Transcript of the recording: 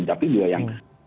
tapi dua yang